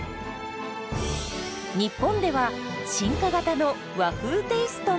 日本では進化型の和風テイストも！